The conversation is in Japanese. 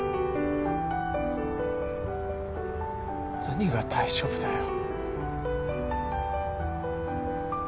何が大丈夫だよ。